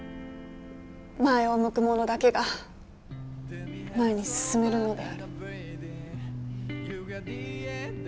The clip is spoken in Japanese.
前を向く者だけが前に進めるのである。